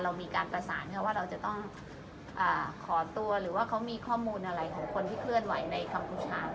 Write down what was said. เรามีการประสานว่าเราจะต้องขอตัวหรือว่าเขามีข้อมูลอะไรของคนที่เคลื่อนไหวในกัมพูชา